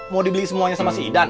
mau dibeli semuanya sama si idan